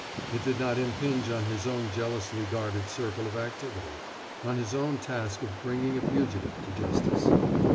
It did not impinge on his own jealously guarded circle of activity, on his own task of bringing a fugitive to justice.